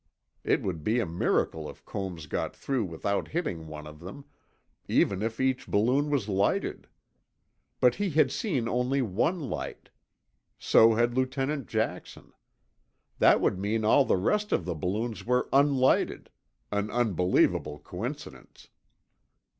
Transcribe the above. It would be a miracle if Combs got through without hitting one of them, even if each balloon was lighted. But he had seen only one light; so had Lieutenant Jackson. That would mean all the rest of the balloons were unlighted—an unbelievable coincidence.